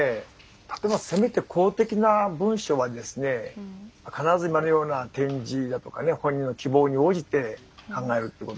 例えばせめて公的な文書は必ず今のような点字だとか本人の希望に応じて考えるってことで。